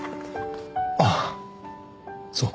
ああそう。